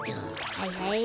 はいはい。